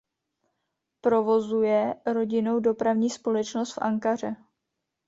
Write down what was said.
Provozuje rodinnou dopravní společnost v Ankaře.